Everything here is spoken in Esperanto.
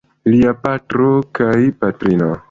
Lia patro kaj patrino.